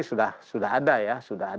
sudah ada ya